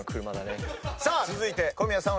続いて小宮さん